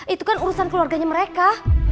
itu kan urusan keluarganya mereka